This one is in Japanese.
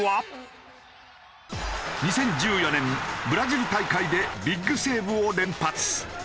２０１４年ブラジル大会でビッグセーブを連発。